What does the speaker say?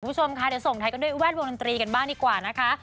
คุณผู้ชมค่ะเดี๋ยวส่งท้ายกันด้วยแวดวงดนตรีกันบ้างดีกว่านะคะ